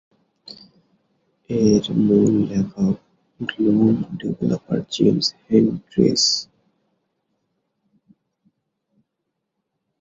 এর মূল লেখক গ্নোম ডেভেলপার জেমস হেনস্ট্রিজ।